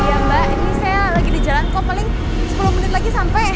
iya mbak ini saya lagi di jalan kok paling sepuluh menit lagi sampai